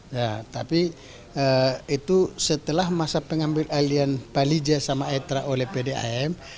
ya tapi itu setelah masa pengambil alian palija sama etra oleh pdam